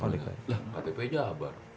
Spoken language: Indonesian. lah ktp jabar